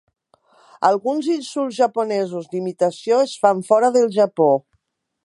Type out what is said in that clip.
Alguns insults japonesos d'imitació es fan fora del Japó.